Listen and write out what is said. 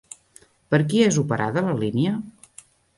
Per qui és operada la línia?